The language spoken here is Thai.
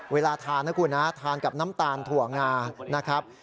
เวลาทานนะคุณนะทานกับน้ำตาลถั่วงานะครับ